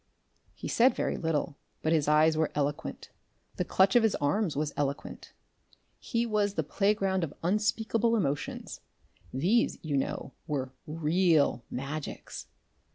He said very little, but his eyes were eloquent; the clutch of his arms was eloquent. He was the playground of unspeakable emotions. These, you know, were REAL Magics.